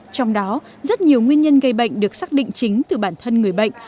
trong đó rất nhiều nguyên nhân gây bệnh được xác định chính từ bản thân người bệnh